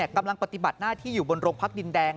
กำลังปฏิบัติหน้าที่อยู่บนโรงพักดินแดง